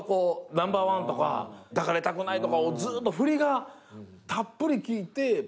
ナンバーワンとか抱かれたくないとかずっとフリがたっぷりきいてカーン！って